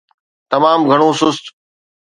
تمام گهڻو سست.